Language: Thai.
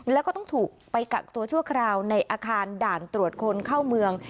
แล้วก็ต้องถูกไปกักตัวชั่วคราวในอาคารด่านตรวจคนเข้าเมือง